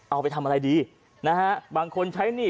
เอาไปทำอะไรดีนะฮะบางคนใช้หนี้